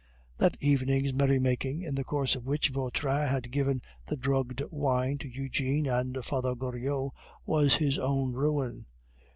That evening's merry making, in the course of which Vautrin had given the drugged wine to Eugene and Father Goriot, was his own ruin.